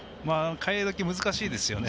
代え時が難しいですよね。